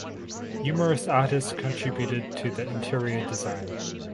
Numerous artists contributed to the interior design.